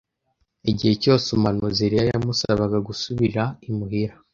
Igihe cyose umuhanuzi Eliya yamusabaga gusubira imuhira